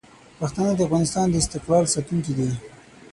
پښتانه د افغانستان د استقلال ساتونکي دي.